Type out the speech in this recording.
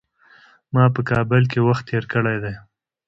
ما په کابل کي وخت تېر کړی دی .